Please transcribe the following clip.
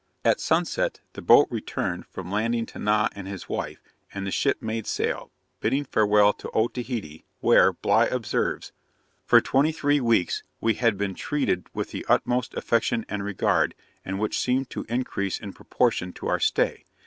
At sunset, the boat returned from landing Tinah and his wife, and the ship made sail, bidding farewell to Otaheite, where, Bligh observes, 'for twenty three weeks we had been treated with the utmost affection and regard, and which seemed to increase in proportion to our stay.